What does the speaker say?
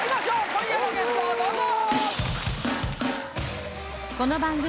今夜のゲストどうぞ！